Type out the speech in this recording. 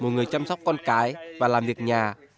của người chăm sóc con cái và làm việc nhà